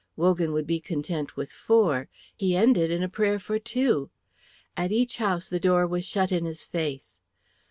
Wogan would be content with four; he ended in a prayer for two. At each house the door was shut in his face.